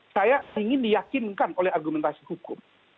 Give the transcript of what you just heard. saya ingin diyakinkan oleh argumentasi hukum